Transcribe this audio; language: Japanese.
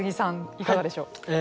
いかがでしょう。